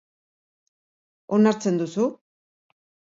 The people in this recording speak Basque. Onartzen duzu?